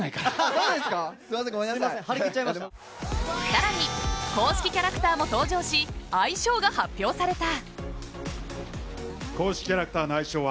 更に公式キャラクターも登場し愛称が発表された。